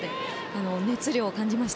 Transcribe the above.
熱量を感じました。